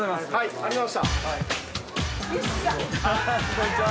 こんにちは。